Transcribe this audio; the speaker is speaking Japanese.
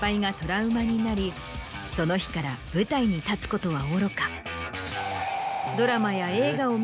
その日から舞台に立つことはおろか。